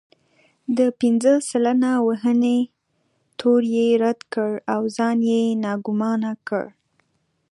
د پنځه سلنه وهنې تور يې رد کړ او ځان يې ناګومانه کړ.